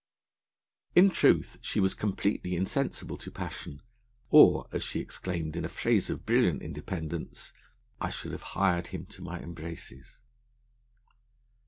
In truth, she was completely insensible to passion, or, as she exclaimed in a phrase of brilliant independence, 'I should have hired him to my embraces.'